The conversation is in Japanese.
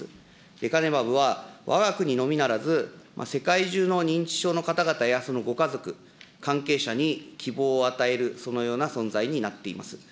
レカネマブはわが国のみならず、世界中の認知症の方々や、そのご家族、関係者に希望を与える、そのような存在になっております。